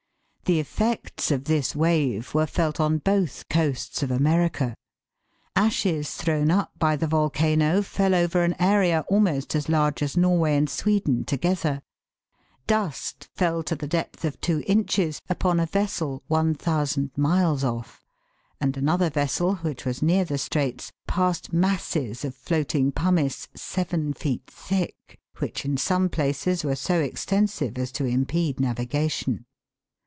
The effects of this wave were felt on both coasts of America ; ashes thrown up by the volcano fell over an area almost as large as Norway and Sweden together ; dust fell to the depth of two inches upon a vessel 1,000 miles off, and another vessel, which was near the Straits, passed masses of floating pumice seven feet thick, which in some places were so extensive as to impede navigation.